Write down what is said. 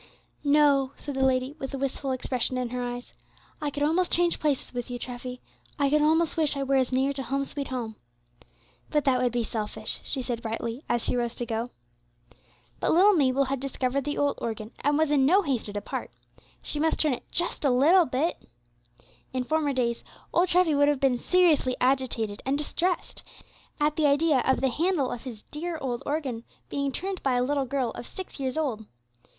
"No," said the lady, with a wistful expression in her eyes, "I could almost change places with you, Treffy, I could almost wish I were as near to 'Home, sweet Home.' But that would be selfish," she said brightly, as she rose to go. But little Mabel had discovered the old organ, and was in no haste to depart. She must turn it "just a little bit." In former days, old Treffy would have been seriously agitated and distressed at the idea of the handle of his dear old organ being turned by a little girl of six years old.